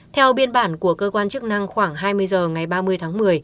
theo biên bản của cơ quan chức năng khoảng hai mươi h ngày ba mươi tháng một mươi